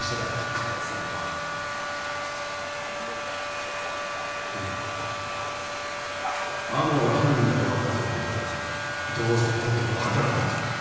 かわいそうによ。っていうか天羽が犯人だとわかってたんならどうしてとっととパクらなかった？